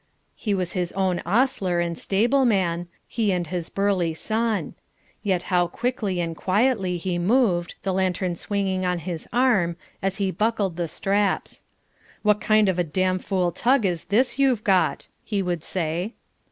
He was his own hostler and stable man, he and his burly son. Yet how quickly and quietly he moved, the lantern swinging on his arm, as he buckled the straps. "What kind of a damn fool tug is this you've got?" he would say.